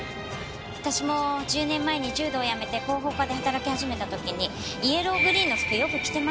私も１０年前に柔道辞めて広報課で働き始めた時にイエローグリーンの服よく着てました。